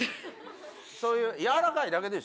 そういうやわらかいだけでしょ？